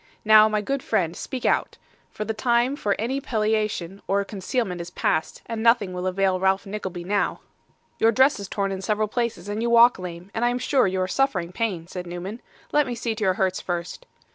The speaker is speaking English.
Now, my good friend, speak out; for the time for any palliation or concealment is past, and nothing will avail Ralph Nickleby now.' 'Your dress is torn in several places; you walk lame, and I am sure you are suffering pain,' said Newman. 'Let me see to your hurts first.